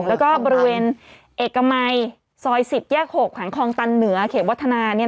แล้วก็บริเวณเอกมัยซอย๑๐แยก๖แขวงคลองตันเหนือเขตวัฒนา